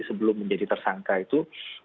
sebelum menjadi tersangka itu